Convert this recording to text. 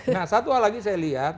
nah satu hal lagi saya lihat